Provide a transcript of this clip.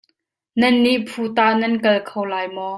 Nan nih phu tah nan kal kho lai maw?